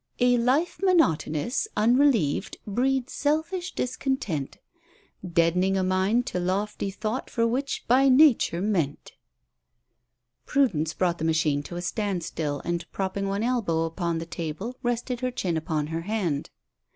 "'A life monotonous, unrelieved, breeds selfish discontent, Dead'ning a mind to lofty thought for which by nature meant.'" Prudence brought the machine to a standstill, and propping one elbow upon the table rested her chin upon her hand.